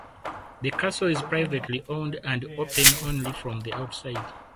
The castle is privately owned and open only from the outside.